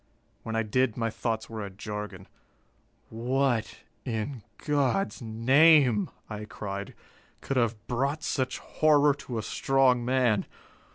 When I did, my thoughts were a jargon. "What, in God's name," I cried, "could have brought such horror to a strong man?